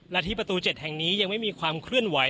และที่ประตู๗แห่งนี้ยังไม่มีความเคลื่อนไหว